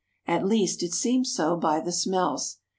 At least, it seems so by the smells.